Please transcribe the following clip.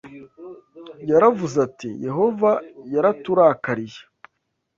Yaravuze ati Yehova yaraturakariye